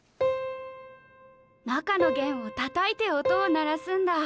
中の弦をたたいて音を鳴らすんだ。